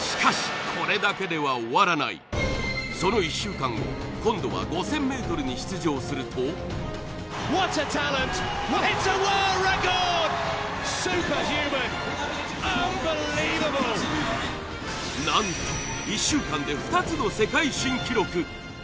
しかしその１週間後今度は５０００ｍに出場するとなんと１週間で２つの世界新記録